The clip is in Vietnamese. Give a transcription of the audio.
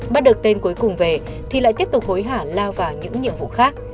bắt được tên cuối cùng về thì lại tiếp tục hối hả lao vào những nhiệm vụ khác